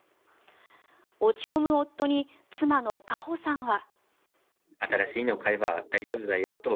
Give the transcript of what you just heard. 落ち込む夫に妻の花香さんは。